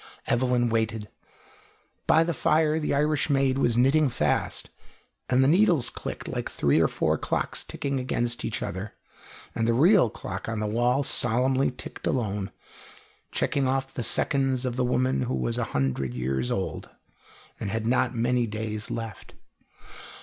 Evelyn waited. By the fire the Irish maid was knitting fast, and the needles clicked like three or four clocks ticking against each other. And the real clock on the wall solemnly ticked alone, checking off the seconds of the woman who was a hundred years old, and had not many days left.